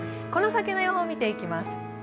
この先の予報を見ていきます。